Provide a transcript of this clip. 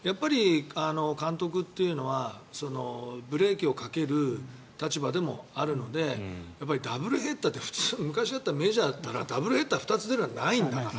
監督というのはブレーキをかける立場でもあるのでダブルヘッダーって昔だったらメジャーだったらダブルヘッダー２つ出るなんてないから。